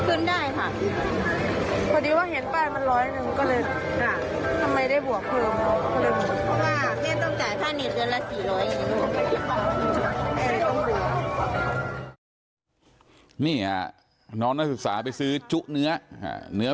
เอาเป็นเงินสดคืนได้ไหมคะคืนได้ค่ะ